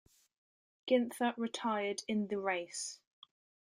Ginther retired in the race.